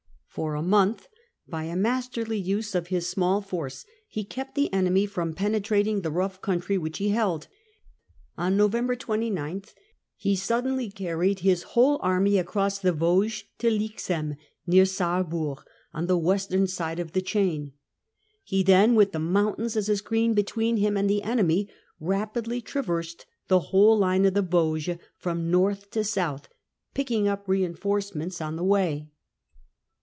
For a month, by a masterly use of his small force, he kept the enemy from penetrating the rough country which he held. On November 29 he suddenly carried his whole army across the Vosges to Lixheim, near Sarreburg, on the western side of the chain. He then, with the moun tains as a screen between him and the enemy, rapidly traversed the whole line of the Vosges from north to south, picking up reinforcements on the way.